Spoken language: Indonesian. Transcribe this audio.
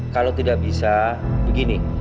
kalau tidak bisa begini